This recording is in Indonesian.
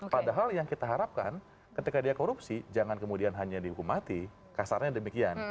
padahal yang kita harapkan ketika dia korupsi jangan kemudian hanya dihukum mati kasarnya demikian